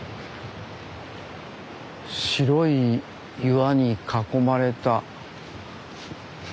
白い岩に囲まれたはあ。